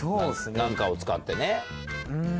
何かを使ってね。